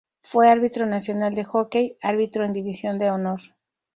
Fue árbitro nacional de hockey, arbitró en División de Honor.